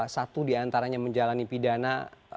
satu diantaranya menjalani pidana